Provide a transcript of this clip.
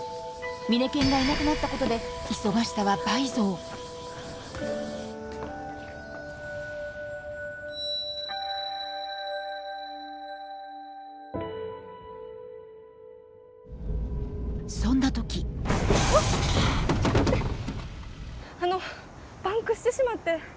ミネケンがいなくなったことで忙しさは倍増そんな時あのパンクしてしまって。